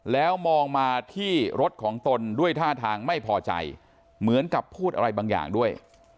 แล้วมองมาที่รถของตนด้วยท่าทางไม่พอใจเหมือนกับพูดอะไรบางอย่างด้วย